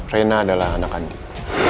reina adalah anak andin